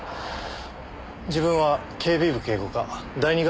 自分は警備部警護課第２係の宮里です。